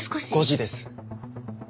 ５時です。